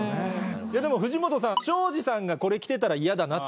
でも藤本さん庄司さんがこれ着てたら嫌だなって。